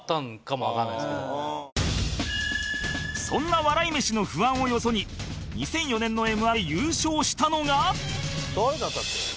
そんな笑い飯の不安をよそに２００４年の Ｍ−１ で優勝したのが